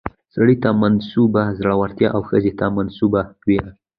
سړي ته منسوبه زړورتيا او ښځې ته منسوبه ويره